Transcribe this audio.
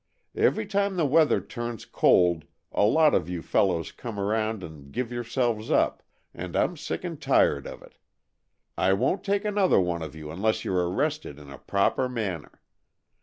Every time the weather turns cold a lot of you fellows come around and give yourselves up, and I'm sick and tired of it. I won't take another one of you unless you 're arrested in a proper manner.